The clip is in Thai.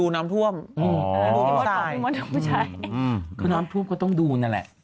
น้ำถ้วมคือต้องดูนั่นแหละ